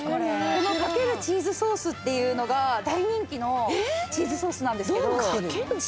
このかけるチーズソースが大人気のチーズソースなんですけど。